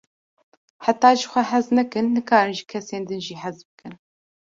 Heta ji xwe hez nekin, nikarin ji kesên din jî hez bikin.